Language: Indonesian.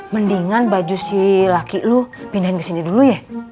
mendingan baju si laki lo pindahin kesini dulu ya